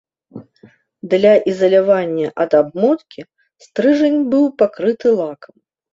Для ізалявання ад абмоткі, стрыжань быў пакрыты лакам.